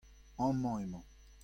amañ emañ.